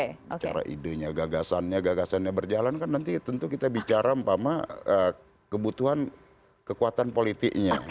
bicara idenya gagasannya gagasannya berjalan kan nanti tentu kita bicara umpama kebutuhan kekuatan politiknya